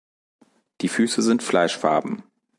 Die Füße sind fleischfarben.